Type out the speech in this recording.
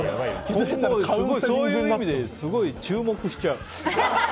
そういう意味ですごい注目しちゃう。